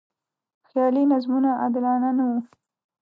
خیالي نظمونه عادلانه نه و.